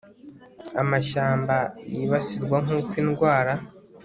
amashyamba yibasirwa nk'uko indwara